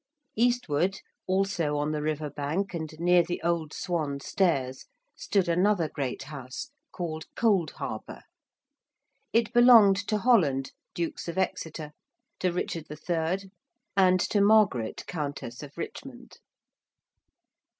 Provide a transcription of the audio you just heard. Eastward, also on the river bank and near the old Swan Stairs, stood another great house called Cold Harbour. It belonged to Holland, Dukes of Exeter, to Richard III. and to Margaret, Countess of Richmond.